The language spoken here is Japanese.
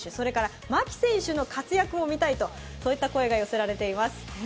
それから牧選手の活躍も見たいといった声が寄せられています。